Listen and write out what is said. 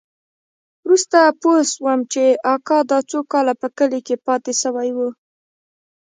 وروسته پوه سوم چې اکا دا څو کاله په کلي کښې پاته سوى و.